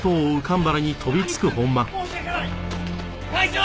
申し訳ない！会長！